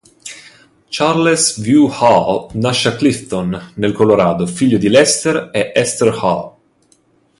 Charles W. Hull nasce a Clifton nel Colorado, figlio di Lester e Esther Hull.